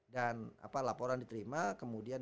dan apa laporan diterima kemudian